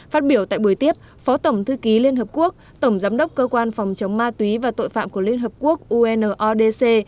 phát biểu tại buổi tiếp phó tổng thư ký liên hợp quốc tổng giám đốc cơ quan phòng chống ma túy và tội phạm của liên hợp quốc unodc